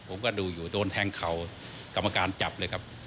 ผมก็ดูอยู่โดนแทงเข่ากรรมการจับเลยครับ